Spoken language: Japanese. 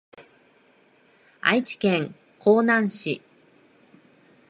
愛知県江南市